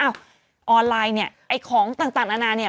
ออนไลน์เนี่ยไอ้ของต่างนานาเนี่ย